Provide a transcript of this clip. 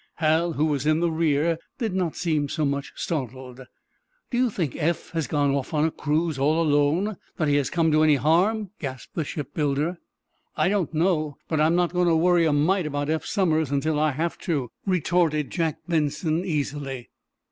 Hal, who was in the rear, did not seem so much startled. "Do you think Eph has gone off on a cruise all alone?—that he has come to any harm?" gasped the shipbuilder. "I don't know, but I'm not going to worry a mite about Eph Somers until I have to," retorted Jack Benson, easily.